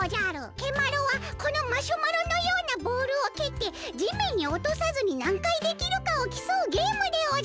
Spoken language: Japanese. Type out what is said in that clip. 蹴マロはこのマシュマロのようなボールをけってじめんにおとさずになんかいできるかをきそうゲームでおじゃる！